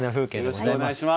よろしくお願いします！